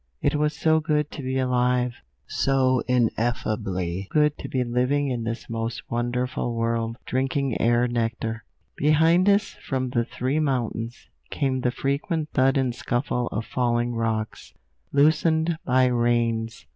It was so good to be alive; so ineffably good to be living in this most wonderful world, drinking air nectar. Behind us, from the three mountains, came the frequent thud and scuffle of falling rocks, loosened by rains.